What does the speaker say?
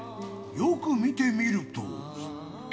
よく見てみると。